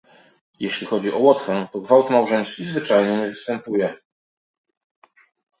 Jeśli chodzi o Łotwę, to gwałt małżeński zwyczajnie nie występuje